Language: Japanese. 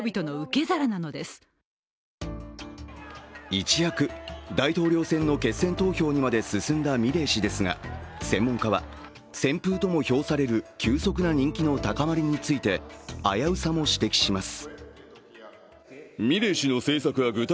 一躍、大統領選の決選投票にまで進んだミレイ氏ですが、専門家は旋風とも評される急速な人気の高まりについて危うさも指摘します。